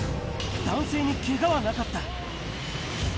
男性にけがはなかった。